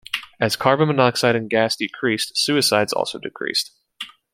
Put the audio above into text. As carbon monoxide in gas decreased, suicides also decreased.